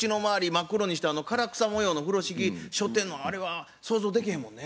真っ黒にして唐草模様の風呂敷しょってんのあれは想像できへんもんね。